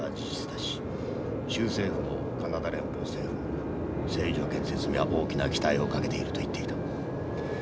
だし州政府もカナダ連邦政府も製油所建設に大きな期待をかけていると言っていた。